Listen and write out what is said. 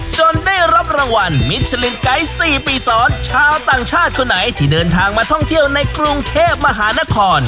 ได้รับรางวัลมิชลินไกด์๔ปีซ้อนชาวต่างชาติคนไหนที่เดินทางมาท่องเที่ยวในกรุงเทพมหานคร